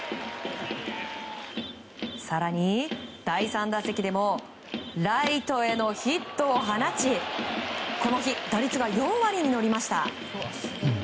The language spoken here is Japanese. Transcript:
更に第３打席でもライトへのヒットを放ちこの日、打率は４割に乗りました。